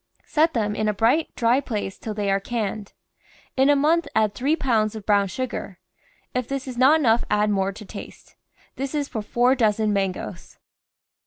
Set them in a bright, dry place till they are canned. In a month add three pounds of brown sugar. If this is not enough add more to taste. This is for four dozen mangoes.